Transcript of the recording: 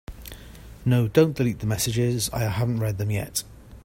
No, don’t delete the messages, I haven’t read them yet.